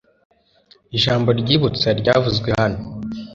ijambo ryibutsa ryavuzwe hano